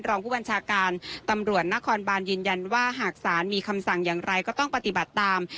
รองผู้บัญชาการตำรวจนครบานยืนยันว่าหากศาลมีคำสั่งอย่างไรก็ต้องปฏิบัติตาม